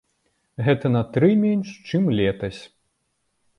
Гэта на тры менш, чым летась.